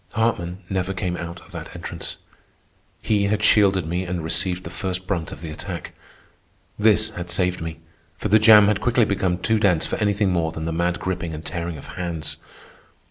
Hartman never came out of that entrance. He had shielded me and received the first brunt of the attack. This had saved me, for the jam had quickly become too dense for anything more than the mad gripping and tearing of hands.